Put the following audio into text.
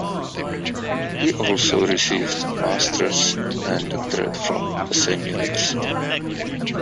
He also received a Master's and Doctorate from the same university.